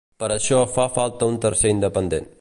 Per això fa falta un tercer independent.